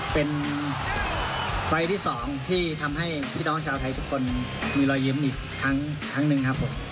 เป็นไฟล์ที่๒ที่ทำให้พี่น้องชาวไทยทุกคนมีรอยยิ้มอีกครั้งหนึ่งครับผม